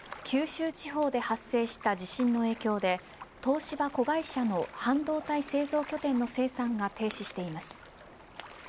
九州地方で発生した地震の影響で東芝子会社の半導体製造拠点の生産が停止しています。